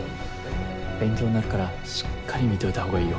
勉強になるからしっかり見ておいたほうがいいよ。